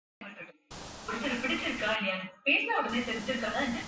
ஊருணி பயன்படாது போனால் குட்டையாகிவிடும்.